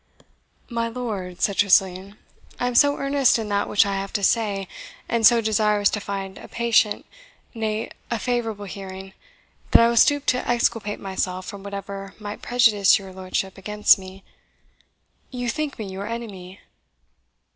"My lord," said Tressilian, "I am so earnest in that which I have to say, and so desirous to find a patient, nay, a favourable hearing, that I will stoop to exculpate myself from whatever might prejudice your lordship against me. You think me your enemy?"